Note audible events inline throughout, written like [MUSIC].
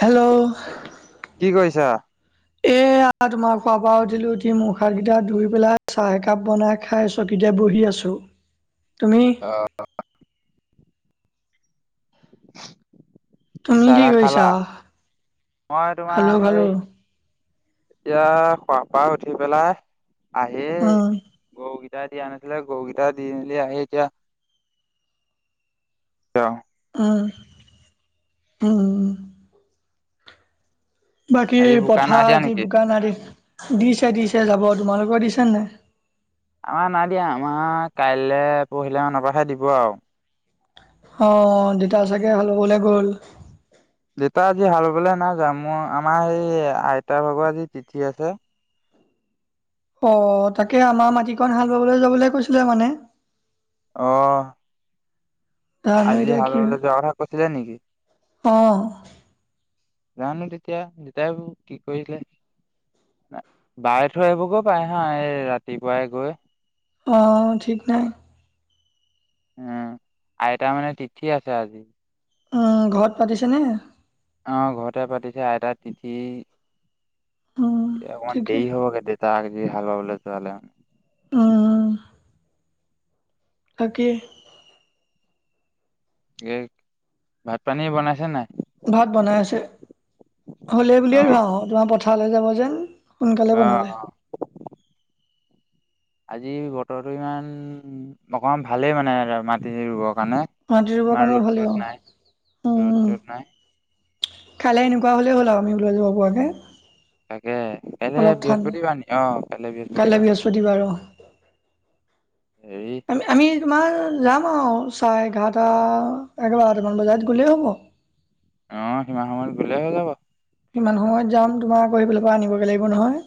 Hello কি [UNINTELLIGIBLE] এয়া তোমাৰ খোৱা বা উঠিলো উঠি মুখ হাত কেইটা ধুই পেলাই চাহ একাপ বনাই খাই আছো এতিয়া বহি আছো তুমি? অঁ তুমি চাহ কি তাই কৰিছা খালা মই খালো তোমাৰ সেই খালো এতিয়া খোৱা পা উঠি পেলাই আহি, অঁ গৰু গিটা দিয়া নাছিলে গৰুগিটা দি মেলি আঁহি এতিয়া, [UNINTELLIGIBLE] অঁ, অঁ বাকী আজি বোকা নাই পথাৰ দিয়া আজি নেকি? বোকা নাই দেই, দিছে দিছে যাব তোমালোকৰ দিছে নে? আমাৰ নাই দিয়া আমাৰ কাইলৈ পহি লৈ মানত পা দিব আও! অঁ, দেতা চাগে হাল বাবলে গ'ল? দেউতা আজি হাল বাবলৈ নাই যোৱা মো আমাৰ হেই আইতাৰ ভাগৰ আজি তিথি আছে! অঁ, তাকে আমাৰ মাটিখন হাল বাবলৈ যাবলৈ কৈছিলে মানে? অঁ জানো আজি এতিয়া হাল বাবলৈ যোৱা কথা কৈছিলা নেকি? অঁ জানো তেতিয়া দেতাই বাও কি কৰিলে! বাই থৈ আহিব গৈ পায় হা এই ৰাতিপুৱাই গৈ, অঁ, ঠিক নাই? উম, আইতাৰ মানে তিথি আছে আজি? উম, ঘৰত পাতিছে নে? অঁ ঘৰতে পাতিছে আইতা তিথি উম এয়া অকমান ঠিকে দেয়ি হব কেতি তাক যি হাল বাবলে যোৱালে, উম, তাকে এই ভাত পানী বনাইছে নাই? ভাত বনাই আছে হ'লেই অ বুলিয়েই ভাওঁ তোমাৰ পথাৰলৈ যাব যে! সোনকালে অ বনালে! অ আজি বতৰটো ইমান অকমান ভালেই মানে মাটি ৰুবৰ কাৰণে? মাটি ৰুবৰ ইমান কাৰণে ৰ'দ ভালেই চ'দ নাই আৰু ৰ'দ উম! চ'দ নাই কাইলৈ এনেকুৱা হ'লেই হ'ল আৰু আমি ওলাই যাব পৰা কে, তাকে কাইলৈ বৃহস্পতিবাৰ নি অ কাইলে বৃহস্পতিবাৰ, বৃহস্পতি বাৰ অ হেৰি আঁ আমি কিমান যাম আৰু চাৰে এঘাৰটা এঘাৰটামান বজাত গ'লেই হ'ব! অহ সিমান সময়ত গলেই হয় যাব? কিমান সময়ত যাও তোমাৰ আকৌ সেইফালৰ পৰা আনিবগৈ লাগিব নহয়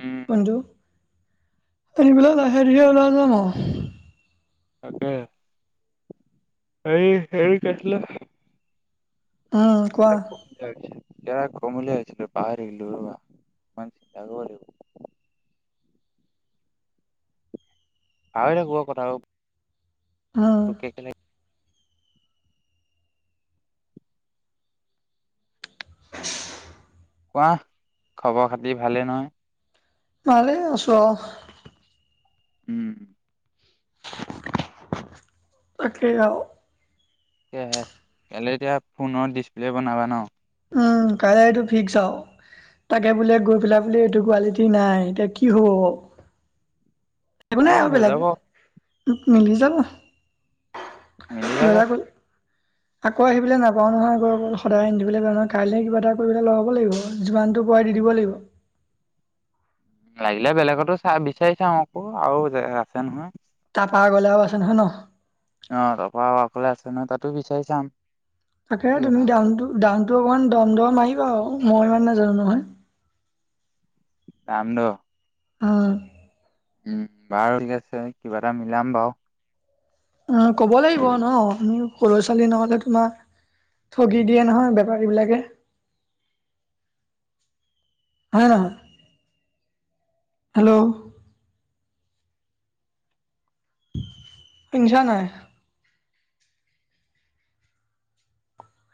উম ফোনটো, এইবেলি লাহে দেৰি ওলাই যাম আও তাকে, এই হেৰি কৈছিলে অঁ। ইয়াক কম বুলিয়ে আহিছিলো পাহৰী থাকিলো বৰা। পাহৰী থাকো অ কথাবোৰ। উম, তোক কে কেনে কোৱা খবৰ খাতি ভালেই নহয়? ভালেই আছো অঁহ। উম। তাকেই আৰু। তাকে'হে কাইলৈ এতিয়া ফোনৰ ডিচপ্লে বনাবা ন। উমঁ কাইলৈ এইটো ফিক্স আৰু। তাকে বোলে গৈ পেলাই বোলে এইটো কোৱালিটি নাই এতিয়া কি হ'ব। [UNINTELLIGIBLE] একো নাই আৰু হৈ বেলেগ যাব মিলি যাব। মলোক উমঁ। আকৌ আহিবলৈ নাপাওঁ নহয় গৈ অকল সদায় আন্ধিবলৈ যাওঁ নহয় কাইলৈ কিবা এটা কৰিবলৈ লগাব লাগিব যিমানটো পাই দি দিব লাগিব। লাগিলে বেলেগতো চাই বিচাৰি চাওঁ আকৌ আৰু আছে নহয়। তাৰপা আগলেও আছে নহয় ন। অঁ তাৰপৰা অকলে আছে নহয় তাতো বিচাৰি চাম। তাকে কি তুমি কথা আছে। দাম দামটো অকণমান দাম-দাম মাৰিবা মই ইমান নাজানো নহয়। দামটো। অ। উম বাৰু ঠিক আছে কিবা এটা মিলাম বাৰু। অঁ ক'ব লাগিব ন সৰু ছোৱালী নহ'লে তোমাৰ- ঠগি দিয়ে নহয় বেপাৰীবিলাকে। হয় নে নহয়। হেল্ল'। শুনিচা নাই?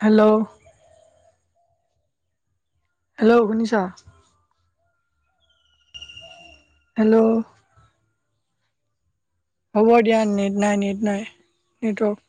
হেল্ল'। হেল্ল' শুনিছা? হেল্ল'। হ'ব দিয়া নেট নাই নেট নাই নেটৱৰ্ক।